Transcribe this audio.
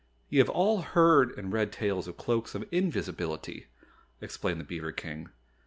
"You have all heard and read tales of cloaks of invisibility," explained the beaver King.